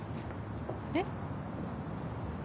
えっ？